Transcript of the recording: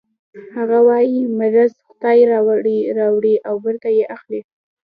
هغه وايي مرض خدای راوړي او بېرته یې اخلي